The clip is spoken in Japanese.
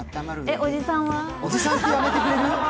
おじさんは？